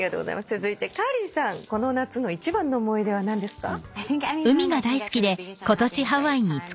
続いてカーリーさんこの夏の一番の思い出は何ですか？